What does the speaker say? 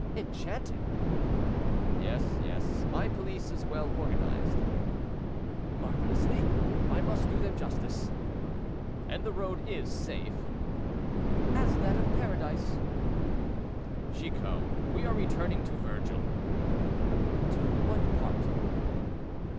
"Enchanted." "Yes, yes; my police is well organized." "Marvelously; I must do them justice." "And the road is safe?" "As that of Paradise." "Chicot, we are returning to Virgil." "To what part?"